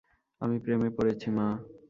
আমি প্রেমে পড়েছি, মা।